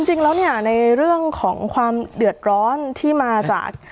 จริงแล้วเนี่ยในเรื่องของความเดือดร้อนที่มาจาก